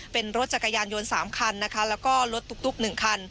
เป็นรถจักรยานยนต์๓คันนะคะแล้วก็รถตุ๊ก๑คัน